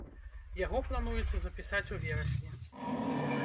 Яго плануецца запісаць у верасні.